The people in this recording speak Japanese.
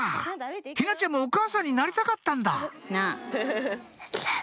陽菜ちゃんもお母さんになりたかったんだ